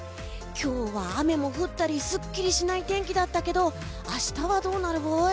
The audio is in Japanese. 今日は雨も降ったりすっきりしない天気だったけど明日はどうなるブイ？